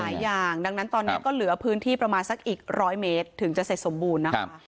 อย่างดังนั้นตอนนี้ก็เหลือพื้นที่ประมาณสักอีกร้อยเมตรถึงจะเสร็จสมบูรณ์นะคะ